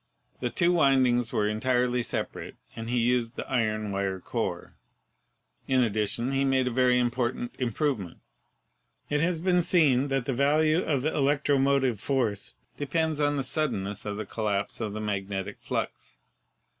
The two windings were entirely separate and he used the iron wire core. In addition he made a very important improvement. It has been seen that the value of the electromotive force de pends upon the suddenness of the collapse of the magnetic flux.